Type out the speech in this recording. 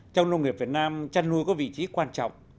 trong nông nghiệp việt nam chăn nuôi có vị trí quan trọng